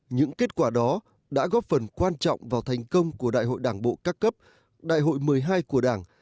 những kết quả đó đã góp phần quan trọng vào thành công của đại hội đảng bộ các cấp đại hội một mươi hai của đảng